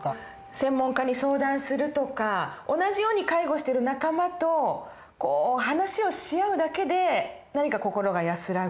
専門家に相談するとか同じように介護してる仲間と話をし合うだけで何か心が安らぐ。